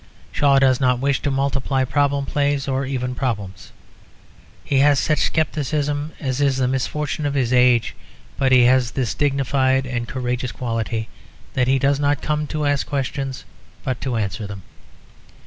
Shaw does not wish to multiply problem plays or even problems. He has such scepticism as is the misfortune of his age; but he has this dignified and courageous quality, that he does not come to ask questions but to answer them.